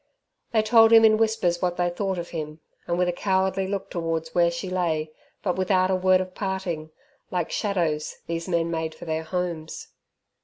They told him in whispers what they thought of him, and with a cowardly look towards where she lay, but without a word of parting, like shadows these men made for their homes.